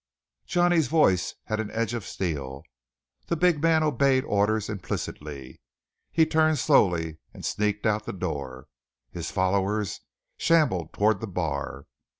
Johnny's voice had an edge of steel. The big man obeyed orders implicitly. He turned slowly, and sneaked out the door. His followers shambled toward the bar.